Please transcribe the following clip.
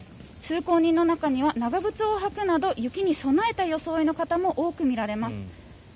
通行人の中には長靴を履くなど雪に備えた装いの方も多く見られます。